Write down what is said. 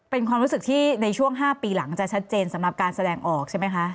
เป็นความรู้สึกที่ในช่วง๕ปีหลังจะชัดเจนสำหรับการแสดงออกใช่ไหมคะ